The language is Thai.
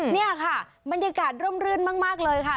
นี่ค่ะบรรยากาศร่มรื่นมากเลยค่ะ